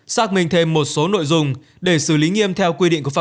xác minh thêm một số nội dung để xử lý nghiêm theo quy định